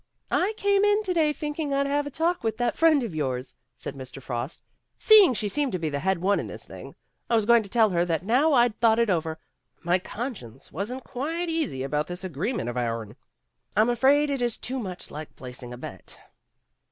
"I came in to day thinking I'd have a talk with that friend of yours,"' said Mr. Frost, " seeing she seemed to be the head one in this thing. I was going to tell her that now I'd thought it over, my conscience wasn't quite easy about this agreement of ourn. I 'm afraid it is too much like placing a bet."